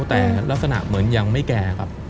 แต่ลักษณะเหมือนยังไม่แก่ครับ